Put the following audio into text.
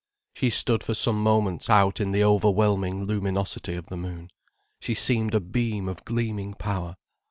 She stood for some moments out in the overwhelming luminosity of the moon. She seemed a beam of gleaming power.